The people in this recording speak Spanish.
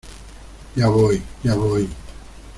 Ya voy, ya voy.